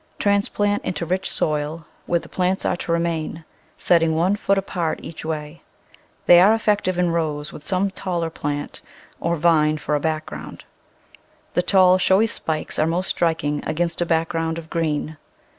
Transplant into rich soil where the plants are to remain, setting one foot apart each way. They are effective in rows with some taller plant, or vine, for a background. The tall, showy spikes are most striking against a background of green.